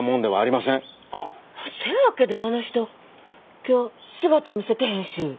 せやけどあの人今日姿見せてへんし。